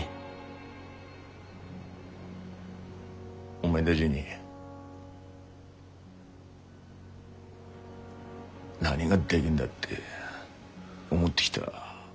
お前だぢに何がでぎんだって思ってきだ